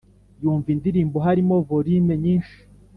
yumva indirimbo harimo volume nyinshi